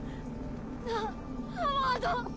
なあハワード！